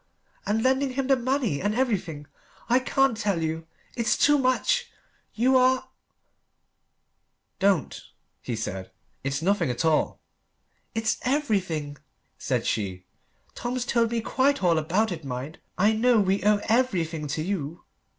And lending him the money and everything. I can't tell you It's too much You are " "Don't," he said; "it's nothing at all." "It's everything," said she. "Tom's told me quite all about it, mind! I know we owe everything to you."